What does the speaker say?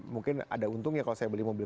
mungkin ada untungnya kalau saya beli mobil